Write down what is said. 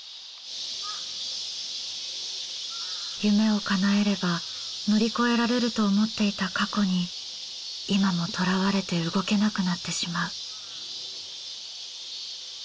夢をかなえれば乗り越えられると思っていた過去に今もとらわれて動けなくなってしまう。